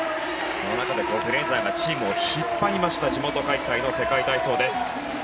その中でフレーザーがチームを引っ張りました地元開催の世界体操です。